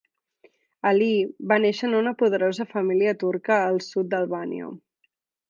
Alí va néixer en una poderosa família turca al sud d'Albània.